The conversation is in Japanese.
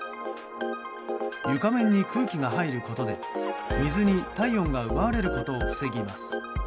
床面に空気が入ることで水に体温が奪われることを防ぎます。